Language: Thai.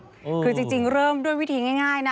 คือจริงเริ่มด้วยวิธีง่ายนะ